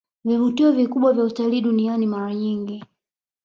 vivutio vikubwa vya utalii duniani Mara nyingi